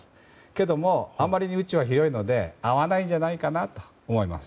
けども、あまりに宇宙は広いので会わないんじゃないかなと思います。